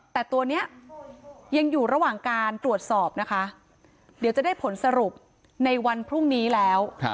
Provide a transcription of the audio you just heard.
แต่ตัวนี้ยังอยู่ระหว่างการตรวจสอบนะคะเดี๋ยวจะได้ผลสรุปในวันพรุ่งนี้แล้ว